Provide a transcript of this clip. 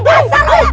udah asal ya